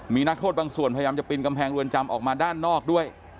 มีนักโทษบางส่วนพยายามจะปีนกำแพงรวนจำออกมาด้านนอกด้วย